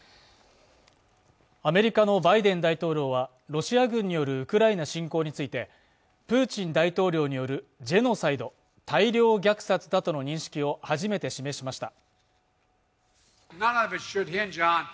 アメリカのバイデン大統領は、ロシア軍によるウクライナ侵攻について、プーチン大統領によるジェノサイド＝大量虐殺だとの認識を初めて示しました。